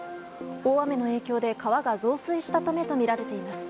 大雨の影響で川が増水したためとみられています。